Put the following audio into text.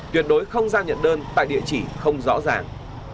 tuyệt đối không giao nhận đơn tại địa chỉ không rõ ràng